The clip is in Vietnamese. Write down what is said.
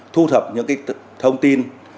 thu thập những cái thông tin